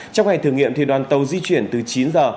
trong ngày thử nghiệm đoàn tàu di chuyển từ chín giờ